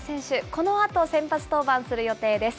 このあと先発登板する予定です。